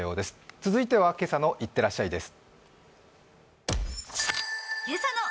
続いては「今朝のいってらっしゃい」です。